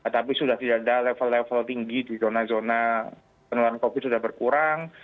tapi sudah tidak ada level level tinggi di zona zona penularan covid sudah berkurang